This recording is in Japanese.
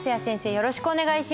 よろしくお願いします。